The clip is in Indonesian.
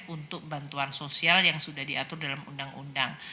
untuk bantuan sosial yang sudah diatur dalam undang undang